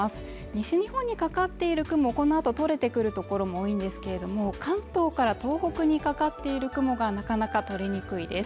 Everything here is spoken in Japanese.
西日本にかかっている雲もこの後取れてくるところも多いんですけれども関東から東北にかかっている雲がなかなか取りにくいです